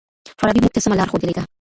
فارابي موږ ته سمه لار ښودلې ده.